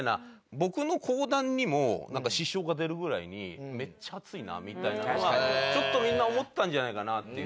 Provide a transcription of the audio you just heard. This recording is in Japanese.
僕の講談にも支障が出るぐらいに「めっちゃ暑いな」みたいなのはちょっとみんな思ったんじゃないかなっていう。